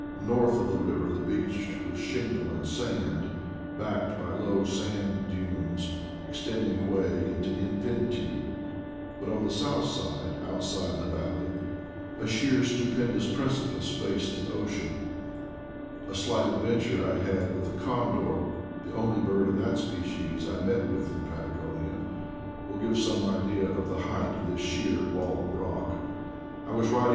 North of the river the beach was shingle and sand, backed by low sand dunes extending away into infinitude; but on the south side, outside the valley, a sheer stupendous preci pice faced the ocean. A slight adventure I had with a condor, the only bird of that species I met with in Patagonia, will give some idea of the height of this sheer wall of rock. I was riding 54 IDLE DAYS IN PATAGONIA!